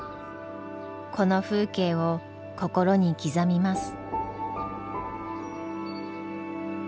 この風景を心に刻みます。